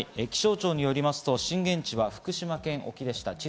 気象庁によりますと、震源地は福島県沖でした。